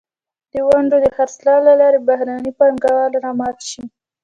د ونډو د خرڅلاو له لارې بهرنۍ پانګونه را مات شي.